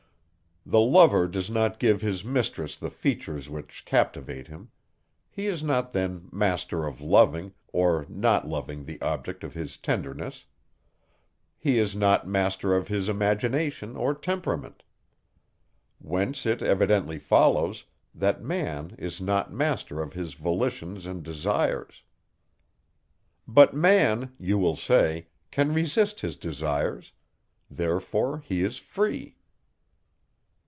The lover does not give his mistress the features which captivate him; he is not then master of loving, or not loving the object of his tenderness; he is not master of his imagination or temperament. Whence it evidently follows, that man is not master of his volitions and desires. "But man," you will say, "can resist his desires; therefore he is free."